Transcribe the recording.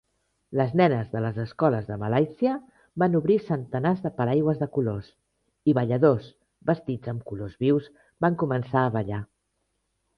Les nenes de les escoles de Malàisia van obrir centenars de paraigües de colors i balladors vestits amb colors vius van començar a ballar.